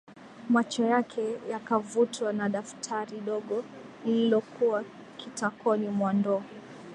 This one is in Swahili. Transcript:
Macho yake yakavutwa na daftari dogo lililokua kitakoni mwa ndoo